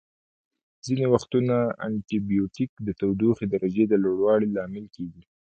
ځینې وختونه انټي بیوټیک د تودوخې درجې د لوړوالي لامل کیږي.